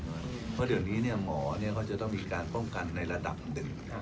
เพราะเดี๋ยวนี้หมอก็จะต้องมีการป้องกันในระดับหนึ่ง